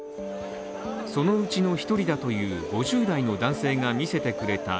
そのうちの１人だという５０代の男性が見せてくれた